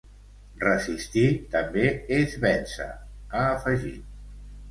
Resistir també és vèncer, ha afegit.